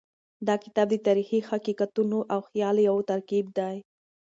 دا کتاب د تاریخي حقیقتونو او خیال یو ترکیب دی.